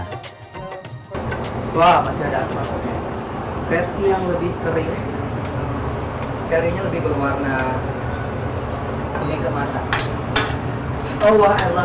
hai bahwa masih ada asma versi yang lebih kering kering lebih berwarna ini kemasan